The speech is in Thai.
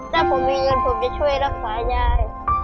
ถ้าผมมีเงินผมจะช่วยรักษายาย